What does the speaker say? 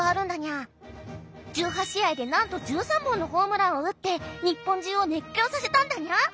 １８試合でなんと１３本のホームランを打って日本中を熱狂させたんだにゃ。